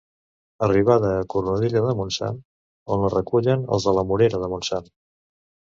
Arribada a Cornudella de Montsant, on la recullen els de la Morera de Montsant.